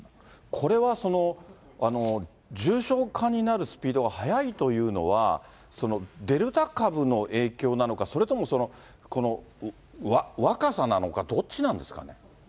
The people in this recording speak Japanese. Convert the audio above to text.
これは重症化になるスピードが速いというのは、デルタ株の影響なのか、それともこの若さなのか、どっちなんですかね。